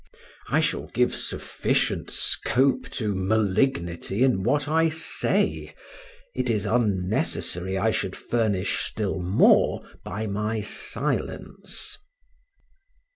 I give sufficient scope to malignity in what I say; it is unnecessary I should furnish still more by my science.